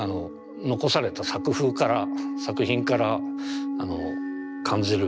残された作風から作品から感じるものですけれど。